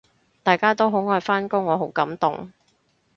大家都好愛返工，我好感動